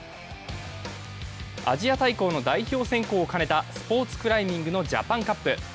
アジア大会の代表選考を兼ねたスポ−ツクライミングのジャパンカップ。